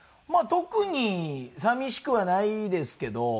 まあ特に寂しくはないですけど。